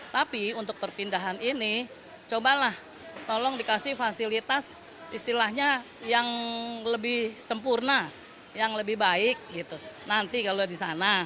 tapi untuk perpindahan ini cobalah tolong dikasih fasilitas istilahnya yang lebih sempurna yang lebih baik gitu nanti kalau di sana